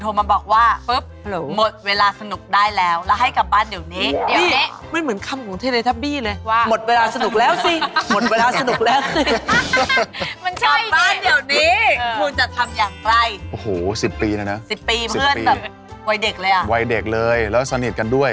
มาบอกว่าชอบคุณมานานแล้ว